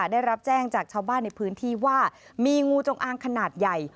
ได้รับแจ้งจากชาวบ้านในพื้นที่ว่ามีงูจงอางขนาดใหญ่